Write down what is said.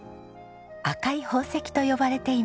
「赤い宝石」と呼ばれています。